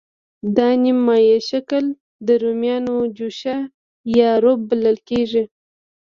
دا نیم مایع شکل د رومیانو جوشه یا روب بلل کېږي.